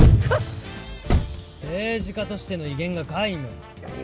政治家としての威厳が皆無。